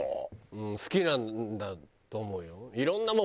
うん好きなんだと思うよ。